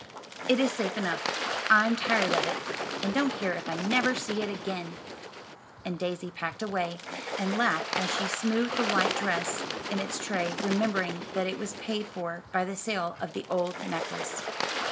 "It is safe enough. I'm tired of it, and don't care if I never see it again." And Daisy packed away, and laughed as she smoothed the white dress in its tray, remembering that it was paid for by the sale of the old necklace.